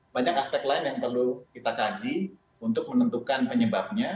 banyak aspek lain yang perlu kita kaji untuk menentukan penyebabnya